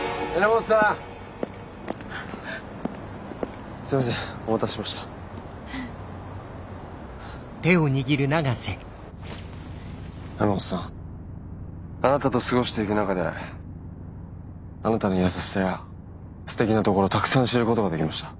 榎本さんあなたと過ごしていく中であなたの優しさやすてきなところたくさん知ることができました。